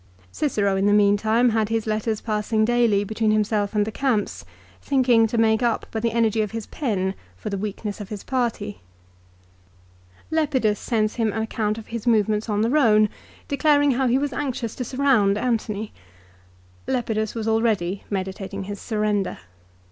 Cicero in the meantime had his letters passing daily between himself and the camps, thinking to make up by the energy of his pen for the weakness of his party. Lepidus sends him an account of his movements on the Rhone, declaring how he was anxious to surround Antony. Lepidus was already meditating his surrender.